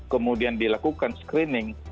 kemudian dilakukan screening